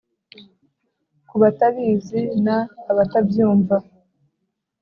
ku batabizi na abatabyumva